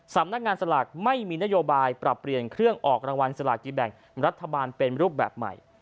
สำนักงานสลากไม่มีนโยบายปรับเปลี่ยนเครื่องออกรางวัลสลากินแบ่งรัฐบาลเป็นรูปแบบใหม่